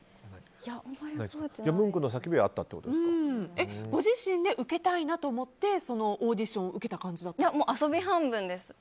ムンクの叫びはご自身で受けたいと思ってオーディションを受けた感じだったんですか？